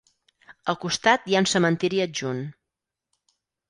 Al costat hi ha un cementiri adjunt.